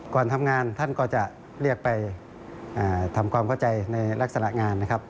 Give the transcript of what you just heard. ก่อนทำงานท่านก็จะเรียกไปทำความเข้าใจในลักษณะงานนะครับ